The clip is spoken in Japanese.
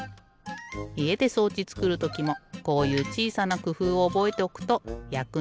いえで装置つくるときもこういうちいさなくふうをおぼえておくとやくにたつよ。